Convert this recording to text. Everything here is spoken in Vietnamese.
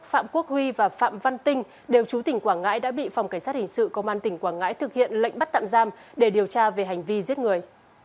phạm quốc huy và phạm văn tinh đều chú tỉnh quảng ngãi đã bị phòng cảnh sát hình sự công an tỉnh quảng ngãi thực hiện lệnh bắt tạm giam để điều tra về hành vi giết người